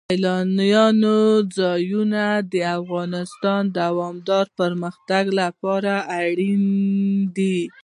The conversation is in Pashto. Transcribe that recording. سیلانی ځایونه د افغانستان د دوامداره پرمختګ لپاره اړین دي.